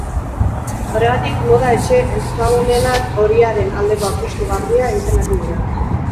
Horregatik, moda etxe ezagunenak horiaren aldeko apustu garbia egiten ari dira.